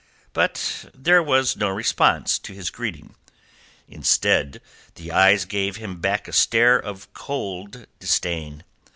But there was no response to his greeting. Instead, the eyes gave him back a stare of cold disdain.